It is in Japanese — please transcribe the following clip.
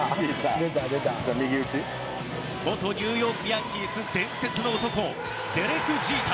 元ニューヨーク・ヤンキース伝説の男デレク・ジーター。